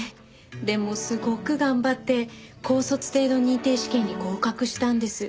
でもすごく頑張って高卒程度認定試験に合格したんです。